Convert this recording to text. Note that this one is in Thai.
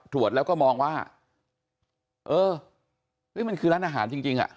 ตรวจแล้วก็มองว่าเออมันคือร้านอาหารจริงอ่ะ